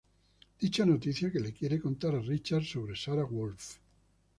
Dicha noticia que le quiere contar a Richard sobre Sara Wolfe.